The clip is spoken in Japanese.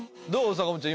坂本ちゃん